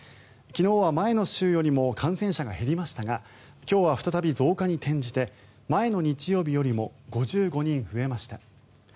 昨日は前の週よりも感染者が減りましたが今日は再び増加に転じて前の日曜日よりも５５人増えました。